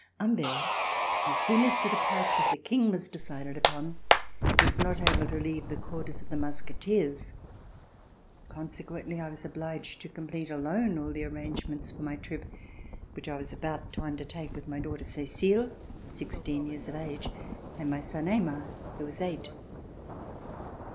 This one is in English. Humbert, as soon as the departure of the King was decided upon, was not able to leave the quarters of the Musketeers. Consequently, I was obliged to complete alone all the arrangements for my trip which I was about to undertake with my daughter Cecile, sixteen years of age, and my son Aymar who was eight.